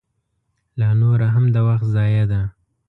لا نوره هم د وخت ضایع ده.